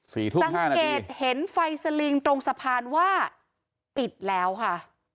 สังเกตเห็นไฟสลิงตรงสะพานว่าปิดแล้วค่ะ